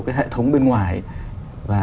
cái hệ thống bên ngoài và